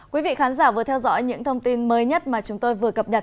quý vị khán giả vừa theo dõi những thông tin mới nhất mà chúng tôi vừa cập nhật